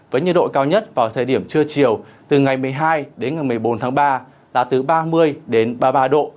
với nhiệt độ cao nhất vào thời điểm trưa chiều từ ngày một mươi hai đến ngày một mươi bốn tháng ba là từ ba mươi đến ba mươi ba độ